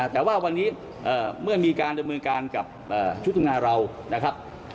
แต่ว่าวันนี้เมื่อมีการดำเนินการกับชุดทำงานเรานะครับ